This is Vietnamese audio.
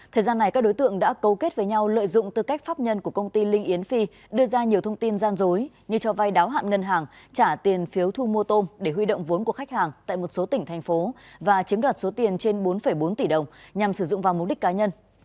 thời gian này các đối tượng đã cấu kết với nhau lợi dụng tư cách pháp nhân của công ty linh yến phi đưa ra nhiều thông tin gian dối như cho vay đáo hạn ngân hàng trả tiền phiếu thu mua tôm để huy động vốn của khách hàng tại một số tỉnh thành phố và chiếm đoạt số tiền trên bốn bốn tỷ đồng nhằm sử dụng vào mục đích cá nhân